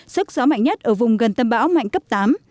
sức gió mạnh nhất ở vùng gần tâm bão mạnh cấp tám